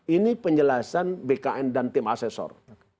ini penjelasan bkn dan tim asesor